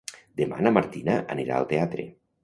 Demà na Martina anirà al teatre.